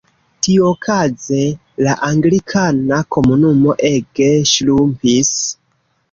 Tiuokaze la anglikana komunumo ege ŝrumpis.